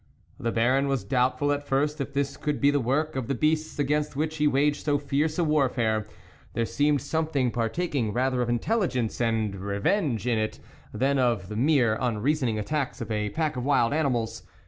The Baron was doubtful at first if this could be the work of the beasts against which he waged so fierce a warfare ; there seemed something partaking rather of in telligence and revenge in it than of the mere unreasoning attacks of a pack of wild animals.